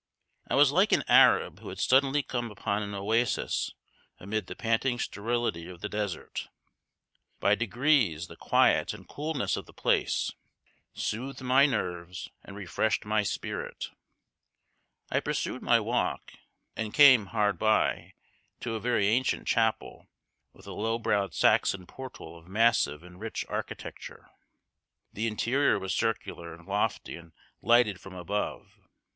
I was like an Arab who had suddenly come upon an oasis amid the panting sterility of the desert. By degrees the quiet and coolness of the place soothed my nerves and refreshed my spirit. I pursued my walk, and came, hard by, to a very ancient chapel with a low browed Saxon portal of massive and rich architecture. The interior was circular and lofty and lighted from above.